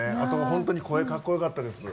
本当に声かっこよかったです。